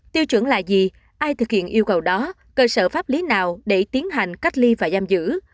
tiêu chuẩn là gì ai thực hiện yêu cầu đó cơ sở pháp lý nào để tiến hành cách ly và giam giữ